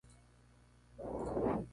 Su posición habitual era la de alero.